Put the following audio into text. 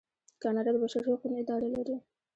کاناډا د بشري حقونو اداره لري.